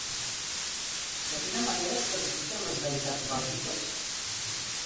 De quina manera es classifiquen les deïtats bàltiques?